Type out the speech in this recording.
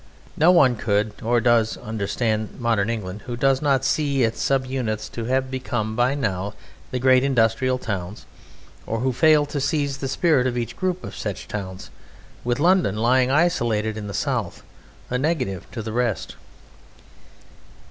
No one could (or does) understand modern England who does not see its sub units to have become by now the great industrial towns, or who fails to seize the spirit of each group of such towns with London lying isolated in the south, a negative to the rest.